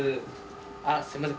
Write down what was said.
あっすいません。